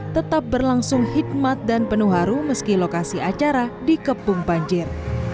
tetap berlangsung hikmat dan penuh haru meski lokasi acara dikepung banjir